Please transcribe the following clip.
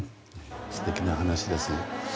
素敵な話です。